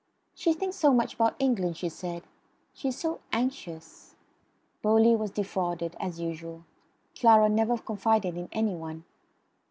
"She thinks so much about England," she said. "She is so anxious " Bowley was defrauded as usual. Clara never confided in any one.